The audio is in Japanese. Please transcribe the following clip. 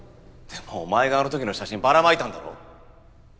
でもお前があのときの写真ばらまいたんだろ？